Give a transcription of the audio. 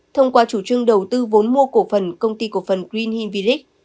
thông qua chủ trương đầu tư vốn mua cổ phần công ty cổ phần green hill village